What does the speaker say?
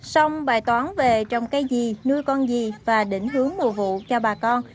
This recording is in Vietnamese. xong bài toán về trồng cây gì nuôi con gì và đỉnh hướng mùa vụ cho bà con